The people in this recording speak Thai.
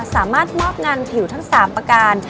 สามารถมอบงานผิวทั้ง๓ประการ